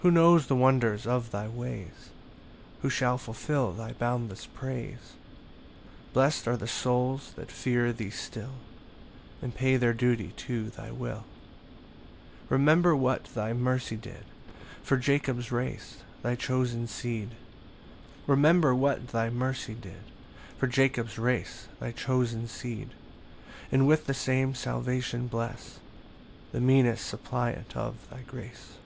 2 Who knows the wonders of thy ways? Who shall fulfil thy boundless praise? Blest are the souls that fear thee still, And pay their duty to thy will. 3 Remember what thy mercy did For Jacob's race, thy chosen seed; And with the same salvation bless The meanest suppliant of thy grace.